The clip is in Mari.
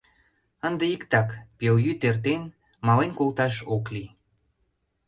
Ынде иктак, пелйӱд эртен — мален колташ ок лий.